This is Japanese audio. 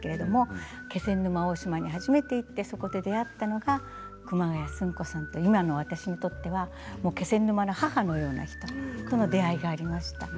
気仙沼大島に初めて行って出会ったのが熊谷寿ん子さんという今の私にとっては気仙沼の母のような方との出会いがありました。